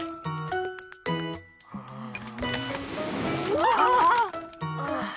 うわ！ああ。